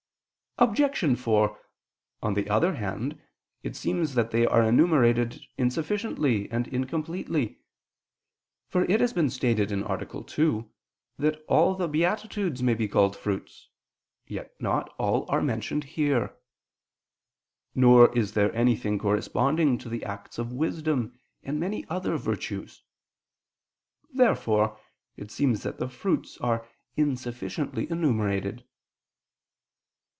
Obj. 4: On the other hand, It seems that they are enumerated insufficiently and incompletely. For it has been stated (A. 2) that all the beatitudes may be called fruits; yet not all are mentioned here. Nor is there anything corresponding to the acts of wisdom, and of many other virtues. Therefore it seems that the fruits are insufficiently enumerated.